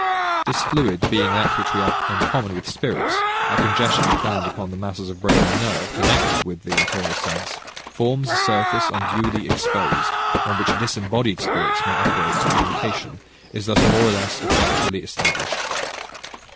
This fluid being that which we have in common with spirits, a congestion found upon the masses of brain or nerve, connected with the interior sense, forms a surface unduly exposed, on which disembodied spirits may operate: communication is thus more or less effectually established.